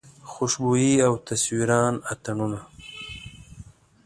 خوشبويي او تصویرونه اتڼونه